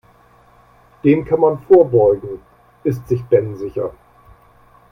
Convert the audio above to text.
Dem kann man vorbeugen, ist sich Ben sicher.